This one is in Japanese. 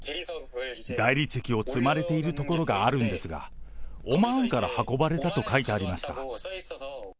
大理石を積まれている所があるんですが、オマーンから運ばれたと書いてありました。